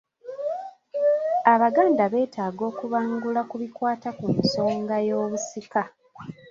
Abaganda beetaaga okubangula ku bikwata ku nsonga y’obusika.